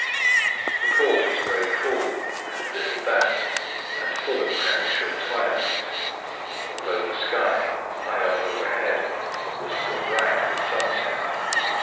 The court was very cool and a little damp, and full of premature twilight, although the sky, high up overhead, was still bright with sunset.